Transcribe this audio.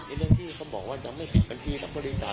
ในเรื่องที่เขาบอกว่าจะไม่ปิดบัญชีอรรพบริจาค